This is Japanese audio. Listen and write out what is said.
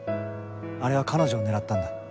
あれは彼女を狙ったんだ。